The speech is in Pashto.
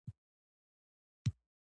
د ریل ګاډي حرکت د وخت پابند دی.